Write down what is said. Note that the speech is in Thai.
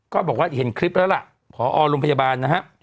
ก็บอกว่าเห็นคลิปแล้วล่ะพอโรงพยาบาลนะฮะ